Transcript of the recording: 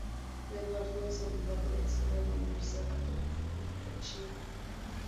Eduardo es abogado, egresado de la Universidad Católica del Táchira.